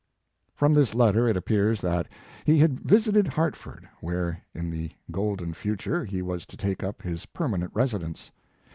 From this letter it appears that be had visited Hartford, where in the golden future, he was to take up his permanent residence.